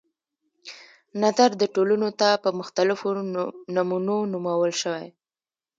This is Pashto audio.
نظر د ټولنو ته په مختلفو نمونو نومول شوي.